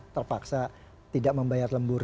terpaksa tidak membayar lembur